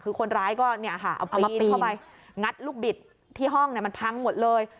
คือคนร้ายก็เอาปีนเข้าไปงัดลูกบิดที่ห้องมันพังหมดเลย